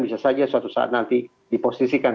bisa saja suatu saat nanti diposisikan